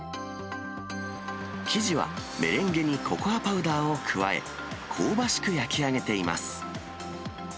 生地は、メレンゲにココアパウダーを加え、香ばしく焼き上げています。